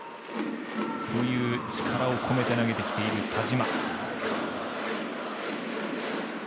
力を込めて投げてきている田嶋。